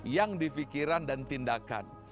yang di pikiran dan tindakan